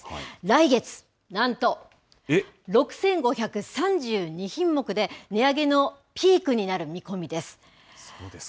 来月、なんと６５３２品目で、値上げのピークになる見込みです。